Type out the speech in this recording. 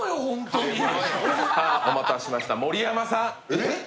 お待たせしました、盛山さん。